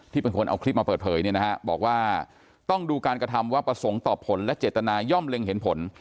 เป็นคนเอาคลิปมาเปิดเผยเนี่ยนะฮะบอกว่าต้องดูการกระทำว่าประสงค์ต่อผลและเจตนาย่อมเล็งเห็นผล